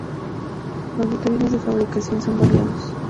Los materiales de fabricación son variados.